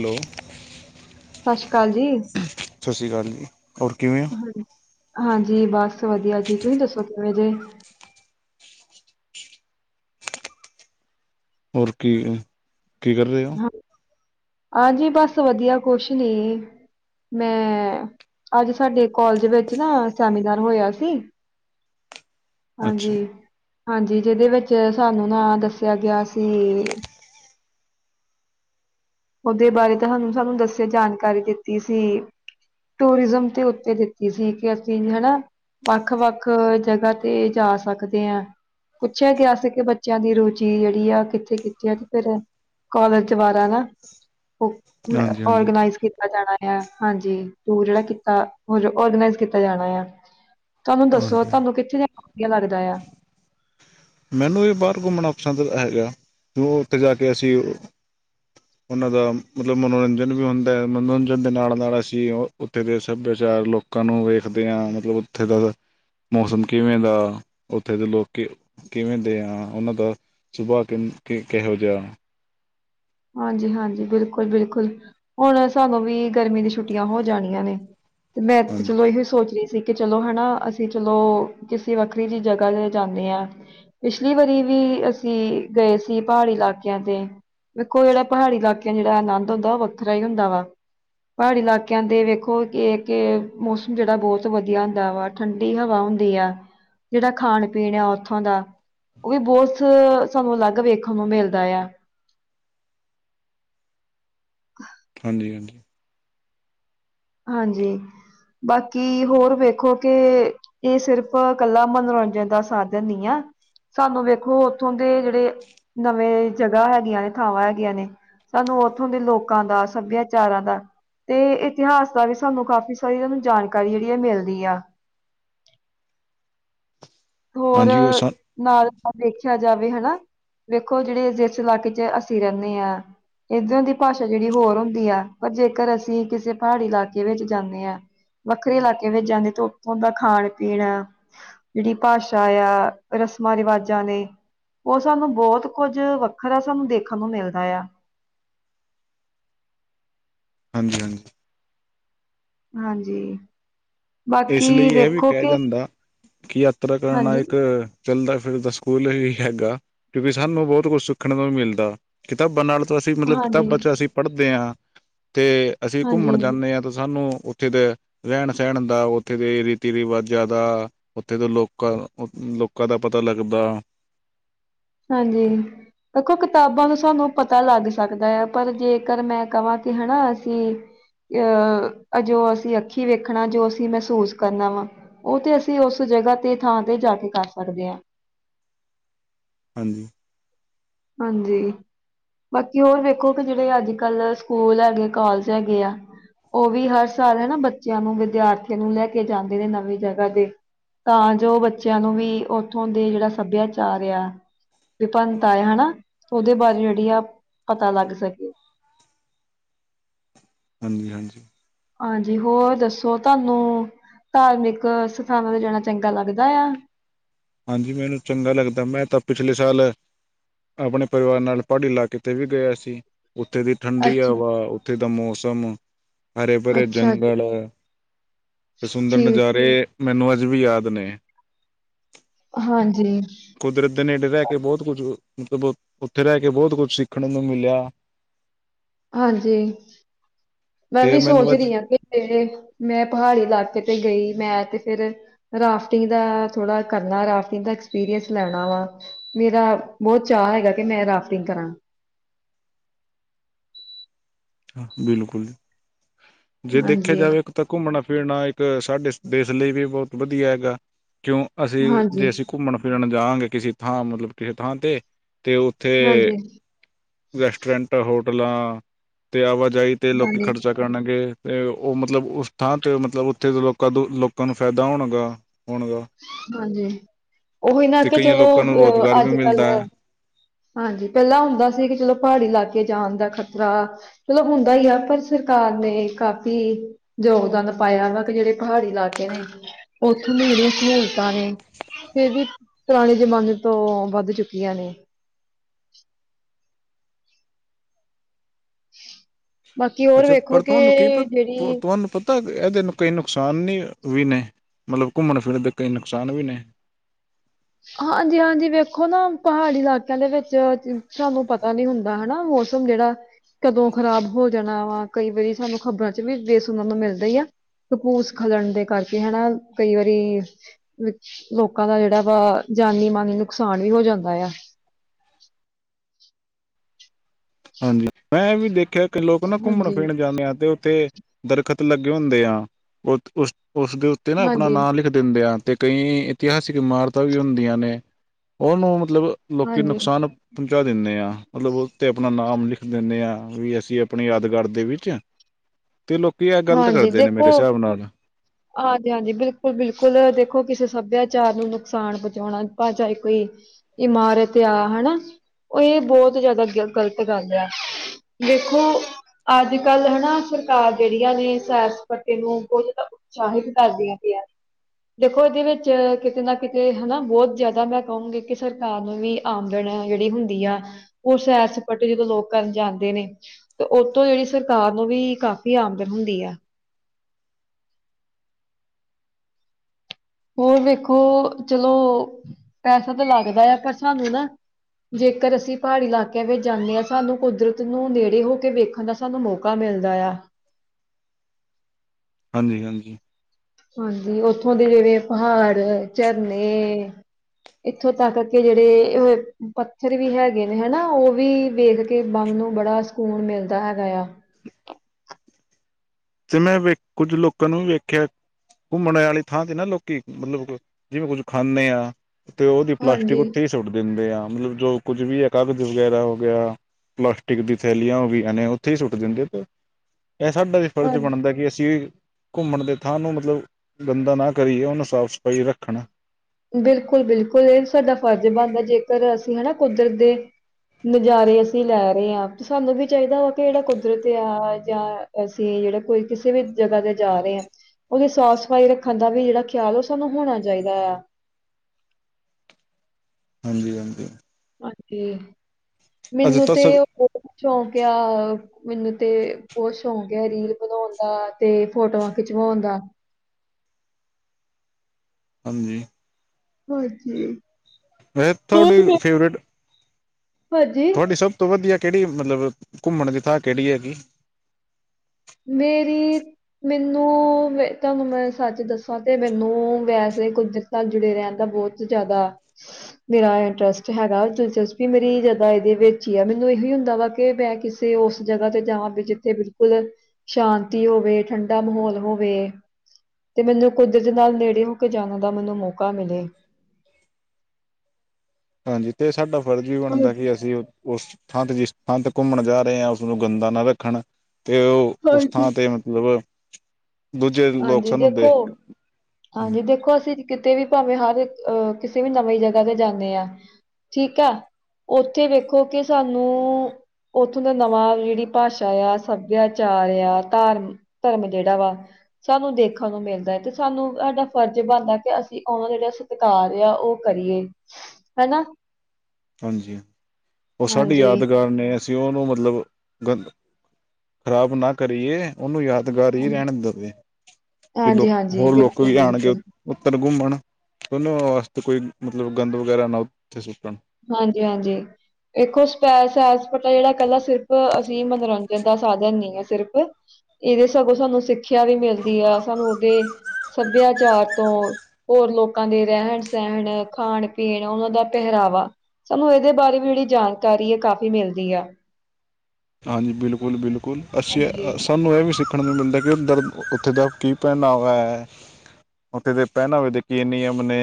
Hello, ਸਤਿ ਸ਼੍ਰੀ ਅਕਾਲ ਜੀ। ਸਤਿ ਸ਼੍ਰੀ ਅਕਾਲ ਜੀ, ਹੋਰ ਕਿਵੇਂ ਓ? ਹਾਂ ਹਾਂਜੀ ਬਸ ਵਧੀਆ ਜੀ, ਤੁਸੀਂ ਦੱਸੋ ਕਿਵੇਂ ਜੇ? ਹੋਰ ਕੀ ਏ, ਕੀ ਕਰ ਰੇ? ਹਾਂ, ਹਾਂਜੀ ਬਸ ਵਧੀਆ ਕੁਛ ਨੀ। ਮੈਂ ਅੱਜ ਸਾਡੇ ਕੋਲਜ ਵਿੱਚ ਨਾ ਸੈਮੀਨਾਰ ਹੋਇਆ ਸੀ। ਅੱਛਾ ਹਾਂਜੀ-ਹਾਂਜੀ ਜਿਦੇ ਵਿੱਚ ਸਾਨੂੰ ਨਾ ਦੱਸਿਆ ਗਿਆ ਸੀ ਓਦੇ ਬਾਰੇ ਤਾਂ ਸਾਨੂੰ, ਸਾਨੂੰ ਦੱਸਿਆ ਜਾਣਕਾਰੀ ਦਿੱਤੀ ਸੀ। ਟੂਰਿਜ਼ਮ ਤੇ ਉੱਤੇ ਦਿੱਤੀ ਸੀ ਕਿ ਅਸੀਂ ਹਨਾ, ਵੱਖ-ਵੱਖ ਜਗ੍ਹਾ ਤੇ ਜਾ ਸਕਦੇ ਆ। ਪੁੱਛਿਆ ਗਿਆ ਸੀ ਕਿ ਬੱਚਿਆਂ ਦੀ ਰੁਚੀ ਜੇੜੀ ਆ ਕਿੱਥੇ-ਕਿੱਥੇ ਆ ਤੇ ਫਿਰ ਕੋਾਲਜ ਵਾਲਾ ਨਾ ਓ ਹਾਂਜੀ ਹਾਂਜੀ ਔਰਗਨਾਈਜ ਕੀਤਾ ਜਾਣਾ ਆ, ਹਾਂਜੀ ਟੂਰ ਜੇੜਾ ਕੀਤਾ, ਓ ਜੋ ਔਰਗਨਾਈਜ਼ ਕੀਤਾ ਜਾਣਾ ਆ। ਤੁਹਾਨੂੰ ਦੱਸੋ, ਹਾਂਜੀ ਹਾਂ ਤੁਹਾਨੂੰ ਕਿੱਥੇ ਦਾ ਵਧੀਆ ਲੱਗਦਾ ਆ? ਮੈਨੂੰ ਜੀ ਬਾਰ ਘੁੰਮਣਾ ਪਸੰਦ ਹੈਗਾ, ਮਤਲਬ ਓਥੇ ਜਾ ਕੇ ਅਸੀਂ ਓਨਾਂ ਦਾ ਮਤਲਬ ਮਨੋਰੰਜਨ ਵੀ ਹੁੰਦਾ ਐ, ਮਨੋਰੰਜਨ ਦੇ ਨਾਲ-ਨਾਲ ਅਸੀਂ ਓਥੇ ਦੇ ਸੱਭਿਆਚਾਰ ਲੋਕ ਲੋਕਾਂ ਨੂੰ ਵੇਖਦੇ ਆਂ, ਮਤਲਬ ਓਥੇ ਦਾ ਮੌਸਮ ਕਿਵੇਂ ਦਾ, ਓਥੇ ਦੇ ਲੋਕੀ ਕਿਵੇਂ ਦੇ ਆ, ਉਹਨਾਂ ਦਾ ਸੁਭਾਅ, ਕਿ ਕਿਹੋ ਜਿਹਾ? ਹਾਂਜੀ -ਹਾਂਜੀ, ਬਿਲਕੁਲ -ਬਿਲਕੁਲ, ਹੁਣ ਸਾਨੂੰ ਵੀ ਗਰਮੀ ਦੀ ਛੁੱਟੀਆਂ ਹੋ ਜਾਣੀਆਂ ਨੇ। ਤੇ ਮੈਂ ਤੇ ਹਾਂਜੀ ਚਲੋ ਇਹੋ ਸੋਚ ਰਹੀ ਕਿ ਚਲੋ ਹਨਾ, ਅਸੀਂ ਚਲੋ, ਕਿਸੀ ਵੱਖਰੀ ਜਿਹੀ ਜਗ੍ਹਾ ਤੇ ਜਾਂਦੇ ਹਾਂ। ਪਿਛਲੀ ਵਾਰੀ ਵੀ ਅਸੀਂ, ਗਏ ਸੀ ਪਹਾੜੀ ਇਲਾਕਿਆਂ ਤੇ। ਵੇਖੋ, ਜਿਹੜਾ ਪਹਾੜੀ ਇਲਾਕਿਆਂ ਜਿਹੜਾ ਆਨੰਦ ਹੁੰਦਾ, ਉਹ ਵੱਖਰਾ ਹੀ ਹੁੰਦਾ ਵਾ। ਪਹਾੜੀ ਇਲਾਕਿਆਂ ਦੇ ਵੇਖੋ ਕੇ - ਕੇ, ਮੌਸਮ ਜਿਹੜਾ ਬਹੁਤ ਵਧੀਆ ਹੁੰਦਾ ਵਾ। ਠੰਡੀ ਹਵਾ ਹੁੰਦੀ ਆ, ਜਿਹੜਾ ਖਾਣ ਪੀਣ ਆ ਉੱਥੋਂ ਦਾ। ਉਹ ਵੀ [unintelligible] ਬਹੁਤ ਸਾਨੂੰ ਅਲੱਗ ਵੇਖਣ ਨੂੰ ਮਿਲਦਾ ਆ। [inaudible] ਹਾਂਜੀ! ਹਾਂਜੀ! ਬਾਕੀ ਹੋਰ ਵੇਖੋ ਕਿ ਇਹ ਸਿਰਫ, ਕੱਲਾ ਮਨੋਰੰਜਨ ਦਾ ਸਾਧਨ ਨਹੀਂ ਆ। ਸਾਨੂੰ ਵੇਖੋ ਉੱਥੋਂ ਦੇ, ਜਿਹੜੇ ਨਵੇਂ ਜਗ੍ਹਾ ਹੈਗੀਆਂ ਨੇ ਥਾਵਾਂ ਹੈਗੀਆਂ ਨੇ ਸਾਨੂੰ ਉੱਥੋਂ ਦੇ ਲੋਕਾਂ ਦਾ, ਸੱਭਿਆਚਾਰਾਂ ਦਾ, ਤੇ ਇਤਿਹਾਸ ਦਾ ਵੀ ਸਾਨੂੰ ਕਾਫ਼ੀ ਸਾਰੀਆ ਨੂੰ ਜਾਣਕਾਰੀ ਜਿਹੜੀ ਆ, ਮਿਲਦੀ ਆ। ਹੋਰ, ਹਾਂਜੀ ਉਹ ਸ ਨਾਲ ਅ ਦੇਖਿਆ ਜਾਵੇ, ਹਨਾ। ਵੇਖੋ, ਜਿਹੜੇ ਜੀਸ ਇਲਾਕੇ ਚ ਅਸੀਂ ਰਹਿੰਨੇ ਆ। ਇੱਧਰੋਂ ਦੀ ਭਾਸ਼ਾ ਜਿਹੜੀ ਹੋਰ ਹੁੰਦੀ ਆ, ਪਰ ਜੇਕਰ ਅਸੀਂ ਕਿਸੇ ਪਹਾੜੀ ਇਲਾਕੇ ਵਿੱਚ ਜਾਂਣੇ ਹਾਂ ਵੱਖਰੇ ਇਲਾਕੇ ਵਿੱਚ ਜਾਂਦੇ ਤੇ ਉੱਥੋਂ ਦਾ, ਖਾਣ -ਪੀਣ ਜਿਹੜੀ ਭਾਸ਼ਾ ਯਾ, ਰਸਮਾਂ ਰਿਵਾਜਾਂ ਨੇ ਉਹ ਸਾਨੂੰ ਬਹੁਤ ਕੁੱਝ ਵੱਖਰਾ, ਸਾਨੂੰ ਦੇਖਣ ਨੂੰ ਮਿਲਦਾ ਆ। ਹਾਂਜੀ- ਹਾਂਜੀ! ਹਾਂਜੀ! ਇਸ ਲਈ ਬਾਕੀ ਇਹ ਵੀ ਵੇਖੋ ਕਿਹਾ ਕਿ ਜਾਂਦਾ, ਕਿ ਯਾਤਰਾ ਕਰਨਾ ਹਾਂਜੀ ਇੱਕ ਚੱਲਦਾ ਫਿਰਦਾ ਸਕੂਲ ਹੀ ਹੈਗਾ, ਕਿਉਂਕਿ ਸਾਨੂੰ ਬਹੁਤ ਕੁਝ ਸਿੱਖਣ ਨੂੰ ਵੀ ਮਿਲਦਾ। ਕਿਤਾਬਾਂ ਨਾਲ ਤਾਂ ਅਸੀਂ ਮਤਲਬ ਹਾਂਜੀ ਕਿਤਾਬਾਂ ਚ ਅਸੀਂ ਪੜ੍ਹਦੇ ਹਾਂ ਤੇ ਅਸੀਂ ਘੁੰਮਣ ਹਾਂਜੀ ਜਾਂਣੇ ਆ ਤੇ ਸਾਨੂੰ, ਉੱਥੇ ਦੇ, ਰਹਿਣ- ਸਹਿਣ ਦਾ ਉੱਥੇ ਦੇ, ਰੀਤੀ- ਰਿਵਾਜਾਂ ਦਾ ਉੱਥੇ ਦੇ ਲੋਕਾਂ, ਲੋਕਾਂ ਦਾ ਪਤਾ ਲੱਗਦਾ ਹਾਂਜੀ! ਦੇਖੋ ਕਿਤਾਬਾਂ ਨੂੰ ਸਾਨੂੰ ਪਤਾ ਲੱਗ ਸਕਦਾ ਹੈ, ਪਰ ਜੇਕਰ ਮੈਂ ਕਹਾਂ ਕਿ, ਹਨਾ ਅਸੀਂ ਅਹ, ਜੋ ਅਸੀਂ ਅੱਖੀ ਵੇਖਣਾ, ਜੋ ਅਸੀਂ ਮਹਿਸੂਸ ਕਰਨਾ ਵਾ ਉਹ ਤੇ ਅਸੀਂ ਉਸ ਜਗ੍ਹਾ ਤੇ, ਥਾਂ ਤੇ, ਜਾ ਕੇ ਕਰ ਸਕਦੇ ਹਾਂ। ਹਾਂਜੀ! ਹਾਂਜੀ! ਬਾਕੀ ਹੋਰ ਵੇਖੋ ਕਿ ਜਿਹੜੇ ਅੱਜ ਕੱਲ੍ਹ, ਸਕੂਲ ਹੈਗੇ, ਕਾਲਜ ਹੈਗੇ ਆ ਉਹ ਵੀ ਹਰ ਸਾਲ ਹਨਾ, ਬੱਚਿਆਂ ਨੂੰ, ਵਿਦਿਆਰਥੀਆਂ ਨੂੰ, ਲੈ ਕੇ ਜਾਂਦੇ ਨੇ ਨਵੀਂ ਜਗ੍ਹਾ ਦੇ ਤਾਂ ਜੋ ਬੱਚਿਆਂ ਨੂੰ ਵੀ, ਉੱਥੋਂ ਦੇ, ਜਿਹੜਾ ਸੱਭਿਆਚਾਰ ਆ, ਵਿਭ- [unintelligible] [unintelligible] ਹਨਾ, ਉਹਦੇ ਬਾਰੇ ਜਿਹੜੀ ਆ, ਪਤਾ ਲੱਗ ਸਕੇ ਹਾਂਜੀ -ਹਾਂਜੀ! ਹਾਂਜੀ, ਹੋਰ ਦੱਸੋ ਤੁਹਾਨੂੰ, ਧਾਰਮਿਕ ਸਥਾਨਾਂ ਤੇ ਜਾਣਾ, ਚੰਗਾ ਲੱਗਦਾ ਆ। ਹਾਂਜੀ, ਮੈਨੂੰ ਚੰਗਾ ਲੱਗਦਾ, ਮੈਂ ਤਾਂ ਪਿਛਲੇ ਸਾਲ ਆਪਣੇ ਪਰਿਵਾਰ ਨਾਲ ਪਹਾੜੀ ਇਲਾਕੇ ਤੇ ਵੀ ਗਿਆ ਸੀ, ਉੱਥੇ ਦੀ ਠੰਡੀ ਅੱਛਾ। ਹਵਾ, ਉੱਥੇ ਦਾ ਮੌਸਮ, ਹਰੇ -ਭਰੇ ਅੱਛਾ ਜੀ ਜੰਗਲ ਤੇ ਸੁੰਦਰ ਠੀਕ ਨਜ਼ਾਰੇ ਮੈਨੂੰ ਅੱਜ ਵੀ ਯਾਦ ਨੇ ਹਾਂਜੀ ਕੁਦਰਤ ਦੇ ਨੇੜੇ ਰਹਿ ਕੇ ਬਹੁਤ ਕੁਝ ਮਤਲਬ ਉੱਥੇ ਰਹਿ ਕੇ ਬਹੁਤ ਕੁੱਝ ਸਿੱਖਣ ਨੂੰ ਮਿਲਿਆ ਹਾਂਜੀ ਮੈਂ ਤੇ ਵੀ ਮੈਨੂੰ ਸੋਚ ਅੱਜ ਰਹੀ ਹਾਂ ਕਿ ਤੇ ਮੈਂ ਪਹਾੜੀ ਇਲਾਕੇ ਤੇ ਗਈ ਮੈਂ ਤੇ ਫਿਰ ਰਾਫਟਿੰਗ ਦਾ ਥੋੜਾ ਕਰਨਾ ਰਾਫਟਿੰਗ ਦਾ ਐਕਸਪੀਰੀਅੰਸ ਲੈਣਾ ਵਾ ਮੇਰਾ ਬਹੁਤ ਚਾਅ ਹੈਗਾ ਕਿ ਮੈਂ ਰਾਫਟਿੰਗ ਕਰਾਂ ਹ ਬਿਲਕੁਲ ਜੀ ਜੇ ਦੇਖਿਆ ਹਾਂਜੀ, ਜਾਵੇ ਤਾਂ ਘੁੰਮਣਾ ਫਿਰਨਾ ਇੱਕ ਸਾਡੇ ਦੇਸ਼ ਲਈ ਵੀ ਬਹੁਤ ਵਧੀਆ ਹੈਗਾ ਕਿਉਂ ਅਸੀਂ ਜੇ ਹਾਂਜੀ, ਅਸੀਂ ਘੁੰਮਣ ਫਿਰਨ ਜਾਂਗੇ ਕਿਸੇ ਥਾਂ ਮਤਲਬ ਕਿਸੇ ਥਾਂ ਤੇ ਤੇ ਹਾਂਜੀ ਰੈਸਟੋਰੈਂਟ ਹੋਟਲ ਆ, ਤੇ ਆਵਾਜਾਈ ਤੇ ਲੋਕੀ ਹਾਂਜੀ, ਖੜ ਸੱਕਦੇ ਚਾ ਕਰਨਣਗੇ ਤੇ ਉਹ ਮਤਲਬ ਉਸ ਥਾਂ ਤੇ ਮਤਲਬ ਉੱਥੇ ਲੋਕਾਂ ਦ ਲੋਕਾਂ ਨੂੰ ਫ਼ਾਇਦਾ ਹੋਣਗਾ ਹੋੁਣ ਗਾ ਹਾਂਜੀ ਉਹੀ ਨਾ ਕੇ ਕਈਆਂ ਚਲੋ ਲੋਕਾਂ ਨੂੰ ਅ ਰੋਜ਼ਗਾਰ ਵੀ ਅੱਜ ਕੱਲ ਮਿਲਦਾ ਹੈ ਹਾਂਜੀ ਪਹਿਲਾਂ ਹੁੰਦਾ ਸੀ ਕਿ ਚਲੋ ਪਹਾੜੀ ਇਲਾਕੇ ਜਾਣ ਦਾ ਖ਼ਤਰਾ ਮਤਲਬ ਹੁੰਦਾ ਹੀ ਆ ਪਰ ਸਰਕਾਰ ਨੇ ਕਾਫ਼ੀ ਯੋਗਦਾਨ ਪਾਇਆ ਵਾ ਕਿ ਜਿਹੜੇ ਪਹਾੜੀ ਇਲਾਕੇ ਨੇ ਉੱਥੋਂ ਹੀ ਸਹੂਲਤਾਂ ਨੇ ਫਿਰ ਵੀ ਪੁਰਾਣੇ ਜ਼ਮਾਨੇ ਤੋਂ ਵੱਧ ਚੁੱਕੀਆਂ ਨੇ ਬਾਕੀ ਹੋਰ ਅੱਛਾ ਵੇਖੋ ਪਰ ਕਿ ਤੁਹਾਨੂੰ ਕੀ ਪਤਾ, ਜਿਹੜੀ ਤੁਹਾਨੂੰ ਪਤਾ ਤਾਂ ਇਹਦੇ ਨੂੰ ਕਈ ਨੁਕਸਾਨ ਨੀ ਵੀ ਨੇ, ਮਤਲਬ ਘੁੰਮਣ ਫਿਰਨ ਦੇ ਕਈ ਨੁਕਸਾਨ ਵੀ ਨੇ ਹਾਂਜੀ ਹਾਂਜੀ ਵੇਖੋ ਨਾ ਪਹਾੜੀ ਇਲਾਕਿਆਂ ਦੇ ਵਿੱਚ ਸਾਨੂੰ ਪਤਾ ਨੀ ਹੁੰਦਾ ਹਨਾ ਮੌਸਮ ਮੌਸਮ ਜਿਹੜਾ ਕਦੋਂ ਖ਼ਰਾਬ ਹੋ ਜਾਣਾ ਵਾ ਕਈ ਵਾਰੀ ਸਾਨੂੰ ਖ਼ਬਰਾਂ ਚ ਵੀ ਦੇ ਸੁਣਨ ਨੂੰ ਮਿਲਦਾ ਹੀ ਆ ਕਪੂਸ ਖਲਣ ਦੇ ਕਰਕੇ ਹੈਨਾ ਕਈ ਵਾਰੀ ਲੋਕਾਂ ਦਾ ਜਿਹੜਾ। ਵਾ ਜਾਨੀ ਮਾਨੀ ਨੁਕਸਾਨ ਵੀ ਹੋ ਜਾਂਦਾ ਆ ਹਾਂਜੀ ਮੈਂ ਇਹ ਵੀ ਦੇਖਿਆ ਕਿ ਲੋਕ ਨਾ ਘੁੰਮਣ ਹਾਂਜੀ। ਫਿਰਨ ਜਾਂਦੇ ਆ ਤੇ ਤੇ ਦਰਖਤ ਲੱਗੇ ਹੁੰਦੇ ਆ ਉਸ ਉਸਦੇ ਉੱਤੇ ਨਾ ਅਪਣਾ ਹਾਂਜੀ, ਨਾਂ ਲਿਖਦੇ ਦਿੰਦਿਆਂ, ਤੇ ਕਈ ਇਤਿਹਾਸਿਕ ਇਮਾਰਤਾਂ ਵੀ ਹੁੰਦੀਆਂ ਨੇ ਉਹਨੂੰ ਮਤਲਬ ਲੋਕੀ ਹਾਂਜੀ, ਨੁਕਸਾਨ ਪਹੁੰਚਾ ਦਿੰਦੇ ਆ ਮਤਲਬ ਉਹ ਤੇ ਆਪਣਾ ਨਾਮ ਲਿਖ ਦਿੰਦੇ ਹਾਂ ਵੀ ਅਸੀਂ ਆਪਣੀ ਯਾਦਗਾਰ ਦੇ ਵਿੱਚ ਤੇ ਲੋਕੀ ਐ ਗ਼ਲਤ ਕਰਦੇ ਨੇ ਮੇਰੇ ਹਿਸਾਬ ਨਾਲ ਹਾਂਜੀ ਹਾਂਜੀ ਬਿਲਕੁਲ ਬਿਲਕੁਲ ਦੇਖੋ ਕਿਸੇ ਸੱਭਿਆ। ਚਾਰ ਨੂੰ ਨੁਕਸਾਨ ਪਹੁੰਚਾਉਣਾ ਭਾ ਚਾਹੇ ਕੋਈ। ਇਮਾਰਤ ਆ ਹੈਨਾ ਉਹ ਇਹ ਬਹੁਤ ਜ਼ਿਆਦਾ ਗ ਗ਼ਲਤ ਗੱਲ ਆ। ਦੇੇਖੋ ਅੱਜ ਕੱਲ ਹੈਨਾ ਸਰਕਾਰ। ਜਿਹੜੀਆਂ ਨੇ ਸੈਰ ਸਪੱਟੇ ਨੂੰ ਬਹੁਤ ਜ਼ਿਆਦਾ ਉਤਸ਼ਾਹਿਤ ਕਰਦੀਆਂ ਪਈਆਂ ਨੇ। ਦੇਖੋ ਇਹਦੇ ਵਿੱਚ ਕਿਤੇ ਨਾ ਕਿਤੇ ਹੈਨਾ ਬਹੁਤ ਜ਼ਿਆਦਾ ਮੈਂ ਕਹੂੰਗੀ ਕਿ ਸਰਕਾਰ ਨੂੰ ਵੀ ਆਮਦਨ ਜਿਹੜੀ ਹੁੰਦੀ ਆ ਉਹ ਸੈਰ ਸਪਾਟੇ ਜਦੋਂ ਲੋਕ ਕਰਨ ਜਾਂਦੇ ਨੇ। ਤੇ ਉਤੋਂ ਜਿਹੜੀ ਸਰਕਾਰ ਨੂੰ ਵੀ ਕਾਫ਼ੀ ਆਮਦਨ ਹੁੰਦੀ ਆ। ਹੋਰ ਵੇਖੋ ਚਲੋ ਪੈਸਾ ਤਾਂ ਲੱਗਦਾ ਆ ਪਰ ਸਾਨੂੰ ਨਾ। ਜੇਕਰ ਅਸੀਂ ਪਹਾੜੀ ਇਲਾਕਿਆਂ ਵਿੱਚ ਜਾਂਦੇ ਹਾਂ ਸਾਨੂੰ ਕੁਦਰਤ ਨੂੰ ਨੇੜੇ ਹੋ ਕੇ ਵੇਖਣ ਦਾ ਸਾਨੂੰ ਮੌਕਾ ਮਿਲਦਾ ਆ। ਹਾਂਜੀ ਹਾਂਜੀ। ਹਾਂਜੀ ਉੱਥੋਂ ਦੇ ਜਿੜਂ ਪਹਾੜ, ਝਰਨੇ ਇੱਥੋਂ ਤੱਕ ਕਿ ਜਿਹੜੇ ਇਹ ਪੱਥਰ ਵੀ ਹੈਗੇ ਨੇ ਹੈਨਾ ਉਹ ਵੀ ਵੇਖ ਕਿ ਮਨ ਨੂੰ ਬੜਾ, ਸਕੂਨ ਮਿਲਦਾ ਹੈਗਾ ਆ ਜੇ ਮੈਂ ਵੇ ਕੁੱਝ ਲੋਕਾਂ ਨੂੰ, ਵੀ ਵੇਖਿਆ ਘੁੰਮਣ ਵਾਲੀ ਥਾਂ ਤੇ ਨਾ ਲੋਕੀ, ਮਤਲਬ ਜਿਵੇਂ ਕੁੱਝ ਖਾਂਣੇ ਆਂ ਤੇ ਉਹਦੀ ਪਲਾਸਟਿਕ ਹਾਂਜੀ ਉੱਥੇ ਹੀ ਸੁੱਟ ਦਿੰਦੇ ਆ, ਮਤਲਬ ਜੋ ਕੁੱਝ ਵੀ ਹੈ, ਕਾਗਜ਼ ਵਗੈਰਾ ਹੋ ਗਿਆ ਪਲਾਸਟਿਕ ਦੀ ਥੈਲੀਆਂ, ਉਹ ਵੀ ਨੇ ਉੱਥੇ ਹੀ ਸੁੱਟ ਦਿੰਦੇ ਤੇ ਇਹ ਸਾਡਾ ਵੀ ਹਾਂ ਫਰਜ਼ ਬਣਦਾ ਕਿ ਅਸੀਂ ਘੁੰਮਣ ਦੇ ਥਾਂ ਨੂੰ, ਮਤਲਬ ਗੰਦਾ ਨਾ ਕਰੀਏ, ਉਹਨੂੰ ਸਾਫ਼ ਸਫ਼ਾਈ ਰੱਖਣ ਬਿਲਕੁਲ- ਬਿਲਕੁਲ ਇਹ ਸਾਡਾ ਫਰਜ਼ ਬਣਦਾ, ਜੇਕਰ ਅਸੀਂ ਹਨਾ ਕੁਦਰਤ ਦੇ ਨਜ਼ਾਰੇ ਅਸੀਂ ਲੈ ਰਹੇ ਹਾਂ, ਤੇ ਸਾਨੂੰ ਵੀ ਚਾਹੀਦਾ ਵਾ ਕਿ, ਜਿਹੜਾ ਕੁਦਰਤ ਆ ਜਾਂ ਅਸੀਂ ਜਿਹੜਾ ਕੋਈ, ਕਿਸੇ ਵੀ ਜਗ੍ਹਾ ਤੇ ਜਾ ਰਹੇ ਹਾਂ ਉਹਦੀ ਸਾਫ਼ ਸਫ਼ਾਈ ਰੱਖਣ ਦਾ ਵੀ, ਜਿਹੜਾ ਖਿਆਲ ਉਹ ਸਾਨੂੰ, ਹੋਣਾ ਚਾਹੀਦਾ ਆ ਹਾਂਜੀ- ਹਾਂਜੀ। ਹਾਂਜੀ, ਅੱਛਾ ਮੈਨੂੰ ਤਾਂ ਤੇ ਸਰ ਬਹੁਤ ਸ਼ੌਂਕ ਆ ਮੈਨੂੰ ਤੇ, ਬਹੁਤ ਸ਼ੌਕ ਹੈ, ਰੀਲ ਬਣਾਉਣ ਦਾ ਤੇ ਫੋਟੋਆਂ, ਖਿਚਵਾਉਣ ਦਾ ਹਾਂਜੀ। ਹਾਂਜੀ। ਹੈ ਹੋਰ ਤੁਹਾਡੀੇ ਮੈਂ ਫੇਵਰੇਟ ਭਾਜੀ ਤੁਹਾਡੀ ਸਭ ਤੋਂ ਵਧੀਆ, ਕਿਹੜੀ ਮਤਲਬ ਘੁੰਮਣ ਦੀ ਥਾਂ, ਕਿਹੜੀ ਹੈਗੀ ਮੇਰੀ ਮੈਨੂੰ ਤੁਹਾਨੂੰ ਮੈਂ, ਸੱਚ ਦੱਸਾਂ ਤੇ ਮੈਨੂੰ, ਵੈਸੇ ਕੁੱਝ ਤਾਂ ਜੁੜੇ ਰਹਿਣ ਦਾ, ਬਹੁਤ ਜ਼ਿਆਦਾ ਮੇਰਾ ਇੰਟਰਸਟ ਹੈਗਾ, ਦਿਲਚਸਪੀ ਮੇਰੀ ਜਿਆਦਾ, ਇਹਦੇ ਵਿੱਚ ਹੀ ਆ, ਮੈਨੂੰ ਇਹੀ ਹੁੰਦਾ ਵਾ ਕਿ ਮੈਂ ਕਿਸੇ ਤੇ ਉਸ ਜਗ੍ਹਾ ਤੇ, ਜਾਵਾਂਗੇ ਜਿੱਥੇ ਬਿਲਕੁਲ ਸ਼ਾਂਤੀ ਹੋਵੇ, ਠੰਡਾ ਮਾਹੌਲ ਹੋਵੇ ਤੇ ਮੈਨੂੰ ਕੁਦਰਤ ਨਾਲ, ਨੇੜੇ ਹੋ ਕੇ ਜਾਣ ਦਾ, ਮੈਨੂੰ ਮੌਕਾ ਮਿਲੇ ਹਾਂਜੀ, ਤੇ ਸਾਡਾ ਫਰਜ਼ ਵੀ ਬਣਦਾ ਹਾਂਜੀ, ਕਿ ਅਸੀਂ ਉਸ ਥਾਂ ਤੇ, ਜਿਸ ਥਾਂ ਤੇ ਘੁੰਮਣ ਜਾ ਰਹੇ ਆ, ਉਸਨੂੰ ਗੰਦਾ ਨਾ ਰੱਖਣ। ਤੇ ਉਹ, ਉਸ ਥਾਂ ਹਾਂਜੀ। ਤੇ ਮਤਲਬ ਦੂਜੇ ਲੋਕ ਹਾਂਜੀ, ਸਾਨੂੰ ਦੇਖੋ ਦੇਖ ਹਾਂਜੀ ਦੇਖੋ ਅਸੀਂ ਕਿਤੇ ਵੀ, ਭਾਵੇਂ ਹਰ ਅਹ ਕਿਸੇ ਵੀ ਨਵੀਂ ਜਗ੍ਹਾ ਤੇ, ਜਾਂਦੇ ਆ ਠੀਕ ਆ ਉੱਥੇ ਵੇਖੋ, ਕਿ ਸਾਨੂੰ ਉੱਥੋਂ ਦਾ ਨਵਾਂ, ਜਿਹੜੀ ਭਾਸ਼ਾ ਆ ਸੱਭਿਆਚਾਰ, ਆ ਧਾਰਮਿਕ ਧਰਮ ਜਿਹੜਾ ਵਾ ਸਾਨੂੰ ਦੇਖਣ ਨੂੰ ਮਿਲਦਾ ਹੈ, ਤੇ ਸਾਨੂੰ ਸਾਡਾ ਫਰਜ਼ ਬਣਦਾ ਕਿ ਅਸੀਂ ਉਹ ਜਿਹੜਾ, ਸਤਿਕਾਰ ਆ ਉਹ ਕਰੀਏ ਹਨਾ। ਹਾਂਜੀ, ਉਹ ਸਾਡੇ ਹਾਂਜੀ, ਯਾਦਗਾਰ ਨੇ ਜੇ ਉਹਨੂੰ ਮਤਲਬ, ਗੰਦ ਖ਼ਰਾਬ ਨਾ ਕਰੀਏ ਉਹਨੂੰ ਯਾਦ ਗੰਦ ਹੀ ਰਹਿਣ ਦੇ ਉਥੇ, ਕਿ ਹਾਂਜੀ, ਲੋਕ ਹਾਂਜੀ ਹੋਰ ਲੋਕ ਵੀ ਬਿਲਕੁਲ, ਆਉਣਗੇ ਬਿਲਕੁਲ। ਉੱਤਰ ਘੁੰਮਣ ਉਹਨਾਂ ਵਾਸਤੇ ਕੋਈ ਦੁਰਗੰਦ ਵਗੈਰਾ ਨਾ ਉੱਥੇ ਸੁੱਟਣ ਹਾਂਜੀ- ਹਾਂਜੀ। ਇੱਕ ਉ ਸੈਰ -ਸਪਟਾ ਜਿਹੜਾ ਇਕੱਲਾ ਸਿਰਫ ਅਸੀਂ ਮਨੋਰੰਜਨ ਦਾ, ਸਾਧਨ ਨਹੀਂ ਹੈ ਸਿਰਫ ਇਹਦੇ ਸਗੋਂ ਸਾਨੂੰ ਸਿੱਖਿਆ ਵੀ, ਮਿਲਦੀ ਆ ਸਾਨੂੰ ਉਹਦੇ, ਸੱਭਿਆਚਾਰ ਤੋਂ ਹੋਰ ਲੋਕਾਂ ਦੇ ਰਹਿਣ -ਸਹਿਣ, ਖਾਣ -ਪੀਣ ਉਹਨਾਂ ਦਾ ਪਹਿਰਾਵਾ। ਸਾਨੂੰ ਇਹਦੇ ਬਾਰੇ ਵੀ, ਜਿਹੜੀ ਜਾਣਕਾਰੀ ਆ, ਕਾਫ਼ੀ ਮਿਲਦੀ ਆ ਹਾਂਜੀ ਬਿਲਕੁਲ-ਬਿਲਕੁਲ ਅਸੀਂ ਹਾਂਜੀ ਸਾਨੂੰ ਇਹ ਵੀ ਸਿੱਖ ਦੇਖਣ ਨੂੰ ਮਿਲਦਾ ਕਿ ਉੱਧਰ ਉੱਥੇ ਦਾ ਕੀ ਪਹਿਨਾਵਾ ਐ। ਉੱਥੇ ਦੇ ਪਹਿਨਾਵੇ ਦੇ ਕੀ ਨਿਯਮ ਨੇ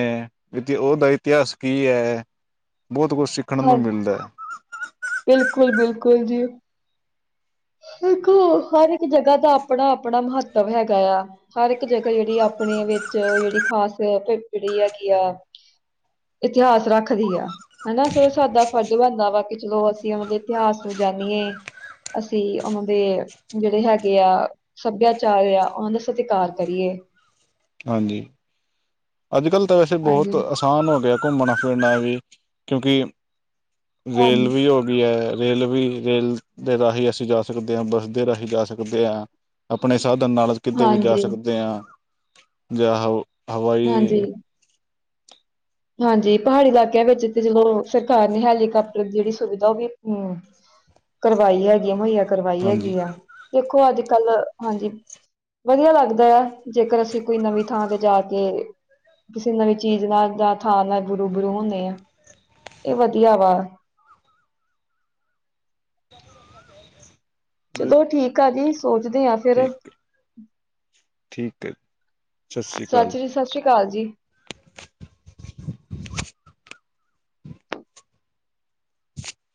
ਉਹਦਾ ਇਤਿਹਾਸ ਕੀ ਹੈ। ਬੋਤ ਕੁਝ ਸਿੱਖਣ ਨੂੰ ਮਿਲਦਾ ਐ। ਬਿਲਕੁਲ- ਬਿਲਕੁਲ ਜੀ। ਦੇਖੋ ਹਰ ਇੱਕ ਜਗ੍ਹਾ ਦਾ ਆਪਣਾ-ਆਪਣਾ ਮਹੱਤਵ ਹੈਗਾ ਆ। ਹਰ ਇੱਕ ਜਗ੍ਹਾ ਜਿਹੜੀ ਆਪਣੇ ਵਿੱਚ ਜੇੜੀ ਖਾਸ [unintelligible] ਜੇੜੀ ਹੈਗੀ ਆ‌। ਇਤਿਹਾਸ ਰੱਖਦੀ ਆ। ਹਨਾ ਸਾਡਾ ਫਰਜ਼ ਬਣਦਾ ਵਾ ਕਿ ਚਲੋ ਅਸੀਂ ਉਹਨਾਂ ਦੇ ਇਤਿਹਾਸ ਨੂੰ ਜਾਂਣੀਏ। ਅਸੀਂ ਉਹਨਾਂ ਦੇ ਜੇੜੇ ਹੈਗੇ ਆ। ਸੱਭਿਆਚਾਰ ਆ ਉਹਨਾਂ ਦਾ ਸਤਿਕਾਰ ਕਰੀਏ। ਹਾਂਜੀ ਅੱਜ ਕੱਲ ਤਾਂ ਵੈਸੇ ਬੋਤ ਹਾਂਜੀ ਆਮ ਹੋ ਗਿਆ ਘੁੰਮਣਾ ਫਿਰਨਾ ਵੀ ਕਿਉਂਕਿ ਰੇਲ ਹਾਂਜੀ ਵੀ ਹੋ ਵੀ ਹੈ ਰੇਲ ਵੀ ਰੇਲ ਦੇ ਰਾਹੀਂ ਅਸੀਂ ਜਾ ਸਕਦੇ ਹਾਂ ਬੱਸ ਦੇ ਰਾਹੀਂ ਜਾ ਸਕਦੇ ਹਾਂ। ਆਪਣੇ ਸਾਧਨ ਨਾਲ ਕਿਤੇ ਵੀ ਜਾ ਹਾਂਜੀ ਸਕਦੇ ਹਾਂ ਜਾਂ ਹ ਹਾਂਜੀ ਹਵਾਈ ਹਾਂਜੀ ਪਹਾੜੀ ਇਲਾਕਿਆਂ ਵਿੱਚ ਤੇ ਜਦੋਂ ਸਰਕਾਰ ਨੇ ਹੈਲੀਕਾਪਟਰ ਦੀ ਜੇੜੀ ਸੁਵਿਧਾ ਓ ਵੀ ਹੂੰ। ਕਰਵਾਈ ਹੈਗੀ ਮੁਹੱਈਆ ਕਰਵਾਈ ਹਾਂਜੀ ਹੈਗੀ ਆ ਦੇਖੋ ਅੱਜ ਕੱਲ ਹਾਂਜੀ। ਵਧੀਆ ਲੱਗਦਾ ਹੈ ਜੇਕਰ ਅਸੀਂ ਕੋਈ ਨਵੀਂ ਥਾਂ ਤੇ ਜਾ ਕੇ ਕਿਸੇ ਨਵੀਂ ਚੀਜ਼ ਨਾਲ ਜਾਂ ਥਾਂ ਨਾਲ ਰੂ- ਬਰੂ ਹੁੰਦੇ ਆ ਇਹ ਵਧੀਆ ਵਾ। ਚਲੋ ਠੀਕ ਆ ਜੀ ਸੋਚਦੇ ਆ ਫਿਰ ਠੀਕ ਠੀਕ ਹੈ ਸਤਿ ਸ਼੍ਰੀ ਅਕਾਲ ਚਾਚੀ ਜੀ ਸਤਿ ਸ੍ਰੀ ਅਕਾਲ ਜੀ। [inaudible]